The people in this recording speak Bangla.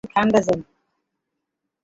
বরফ ঠান্ডা জল!